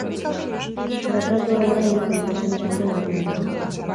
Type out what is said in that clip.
Erretratu hau, oraindik, inpresionismoaren barnean dago.